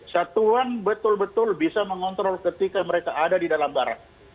satuan betul betul bisa mengontrol ketika mereka ada di dalam barat